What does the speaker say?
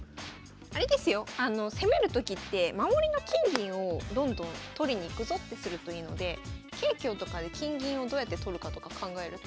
あれですよ攻めるときって守りの金銀をどんどん取りに行くぞってするといいので桂香とかで金銀をどうやって取るかとか考えると。